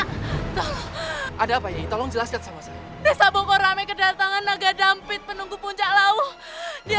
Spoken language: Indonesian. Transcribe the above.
hai ada bayi tolong jelaskan desa boko rame kedatangan naga dampit penunggu puncak lawuh dia